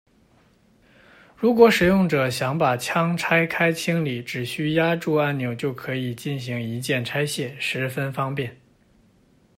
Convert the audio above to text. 如果使用者想把枪拆开清理，只需压住按钮就可以进行一键拆卸，十分方便。